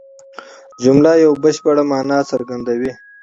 جمله یوه بشپړه مانا څرګندوي.